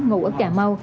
ngủ ở cà mau